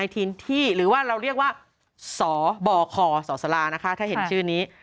ที่หรือว่าเราเรียกว่าสบคสลานะคะถ้าเห็นชื่อนี้